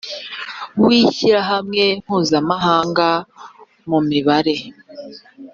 w ishyirahamwe mpuzamahanga mu mibare